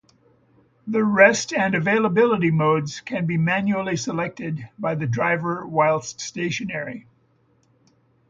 The rest and availability modes can be manually selected by the driver whilst stationary.